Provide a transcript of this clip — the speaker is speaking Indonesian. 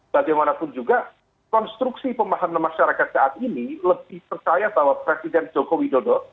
bagaimanapun juga konstruksi pemahaman masyarakat saat ini lebih percaya bahwa presiden joko widodo